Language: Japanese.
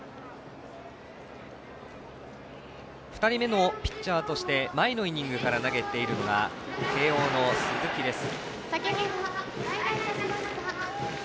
２人目のピッチャーとして前のイニングから投げているのが慶応の鈴木です。